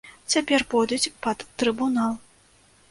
Цяпер пойдуць пад трыбунал.